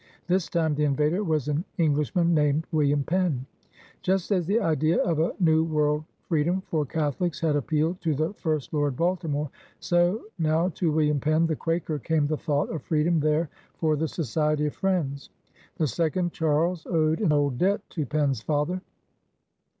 This time the invader was an Englishman named William Penn. Just as the idea of a New World freedom for Catholics had appealed to the first Lord Baltimore, so now to William Penn, the Quaker, came the thought of freedom there for the Society of Friends. The second Charles owed REBELLION AND CHANGE 193 an old debt to Penn's father.